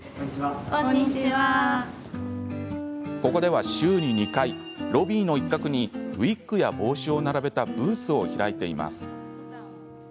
ここでは週に２回ロビーの一角にウイッグや帽子を並べたブースを開いています。